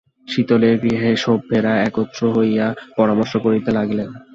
শীতলের গৃহে সভ্যেরা একত্র হইয়া পরামর্শ করিতে লাগিলেন।